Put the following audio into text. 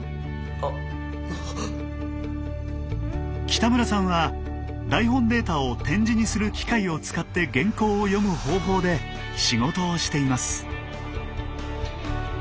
北村さんは台本データを点字にする機械を使って原稿を読む方法で仕事をしています。